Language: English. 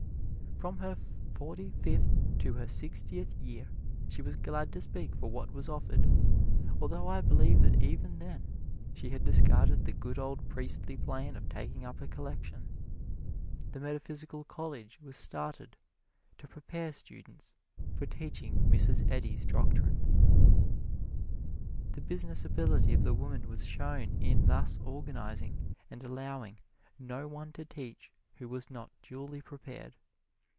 From her forty fifth to her sixtieth year she was glad to speak for what was offered, although I believe that even then she had discarded the good old priestly plan of taking up a collection. The Metaphysical College was started to prepare students for teaching Mrs. Eddy's doctrines. The business ability of the woman was shown in thus organizing and allowing no one to teach who was not duly prepared.